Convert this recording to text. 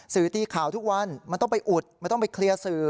ตีข่าวทุกวันมันต้องไปอุดมันต้องไปเคลียร์สื่อ